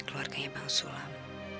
dari keluarganya bang sulam